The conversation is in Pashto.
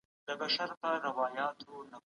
د سرچینو ښه کارونه د پرمختګ کچه لوړوي.